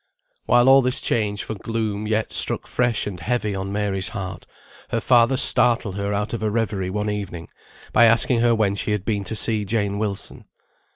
While all this change for gloom yet struck fresh and heavy on Mary's heart, her father startled her out of a reverie one evening, by asking her when she had been to see Jane Wilson.